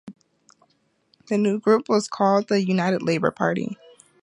The new group was called the United Labour Party.